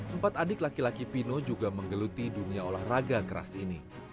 empat adik laki laki pino juga menggeluti dunia olahraga keras ini